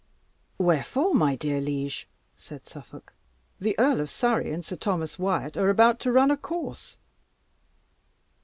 "Wherefore, my dear liege?" said Suffolk. "The Earl of Surrey and Sir Thomas Wyat are about to run a course."